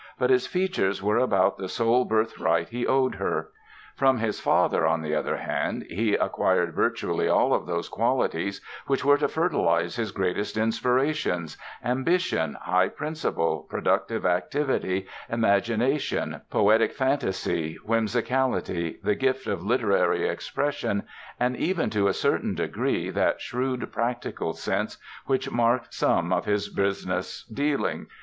But his features were about the sole birthright he owed her. From his father, on the other hand, he acquired virtually all of those qualities which were to fertilize his greatest inspirations—ambition, high principle, productive activity, imagination, poetic fantasy, whimsicality, the gift of literary expression and even to a certain degree that shrewd practical sense which marked some of his business dealings.